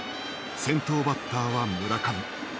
先頭バッターは村上。